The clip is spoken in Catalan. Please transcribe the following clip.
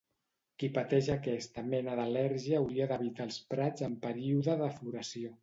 Qui pateix aquesta mena d’al·lèrgia hauria d’evitar els prats en període de floració.